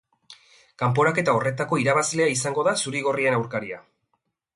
Kanporaketa horretako irabazlea izango da zuri-gorrien aurkaria.